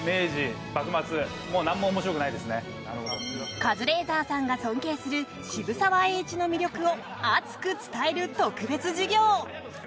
カズレーザーさんが尊敬する渋沢栄一の魅力を熱く伝える特別授業。